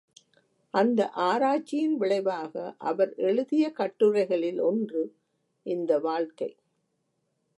அந்த ஆராய்ச்சியன் விளைவாக அவர் எழுதிய கட்டுரைகளில் ஒன்று இந்த வாழ்க்கை.